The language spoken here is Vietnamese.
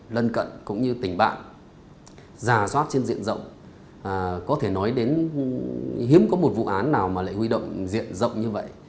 lân cận cũng như tỉnh bạn giả soát trên diện rộng có thể nói đến hiếm có một vụ án nào mà lại huy động diện rộng như vậy